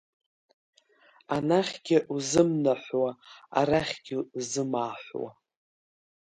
Анахьгьы узымнаҳәуа, арахьгьы узымааҳәуа…